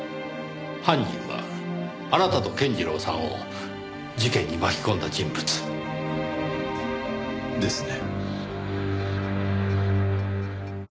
犯人はあなたと健次郎さんを事件に巻き込んだ人物。ですね。